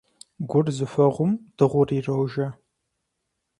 Гур зыхуэгъум дыгъур ирожэ.